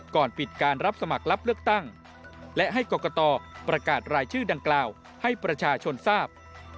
ก่อนปิดการรับสมัครรับเลือกตั้งและให้กรกตประกาศรายชื่อดังกล่าวให้ประชาชนทราบ